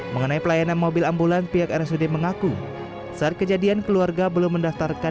mengenai pelayanan mobil ambulan pihak rsud mengaku saat kejadian keluarga belum mendaftarkan